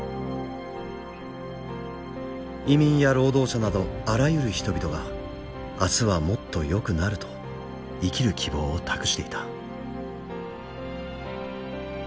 移民や労働者などあらゆる人々が明日はもっとよくなると生きる希望を託していた。